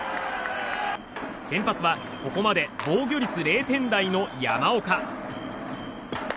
先発はここまで防御率０点台の山岡。